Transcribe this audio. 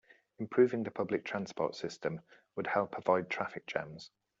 Improving the public transport system would help avoid traffic jams.